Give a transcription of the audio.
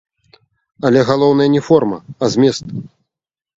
Але галоўнае не форма, а змест.